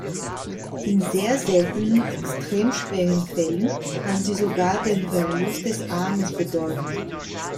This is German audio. In sehr seltenen, extrem schweren Fällen kann sie sogar den Verlust des Armes bedeuten.